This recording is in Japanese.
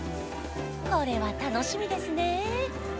これは楽しみですね